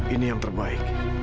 ini yang terbaik